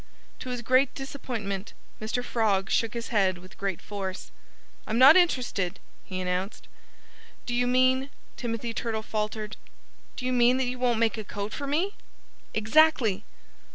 To his great disappointment Mr. Frog shook his head with great force. "I'm not interested," he announced. "Do you mean" Timothy Turtle faltered "do you mean that you won't make a coat for me?" "Exactly!"